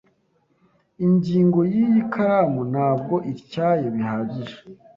Ingingo yiyi karamu ntabwo ityaye bihagije.